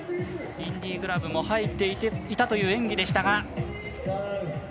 インディグラブも入っていた演技でしたが。